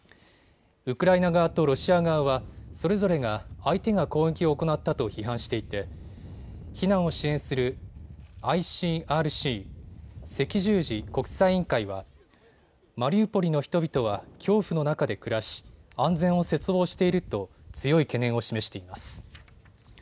ウクライナ側とロシア側はそれぞれが相手が攻撃を行ったと批判していて避難を支援するＩＣＲＣ・赤十字国際委員会はマリウポリの人々は恐怖の中で暮らし、安全を切望していると強い懸念を示しています。